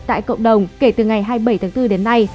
tại cộng đồng kể từ ngày hai mươi bảy tháng bốn đến nay